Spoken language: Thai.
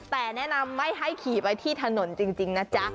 แต่แนะนำไม่ให้ขี่ไปที่ถนนจริงนะจ๊ะ